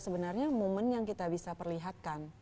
sebenarnya momen yang kita bisa perlihatkan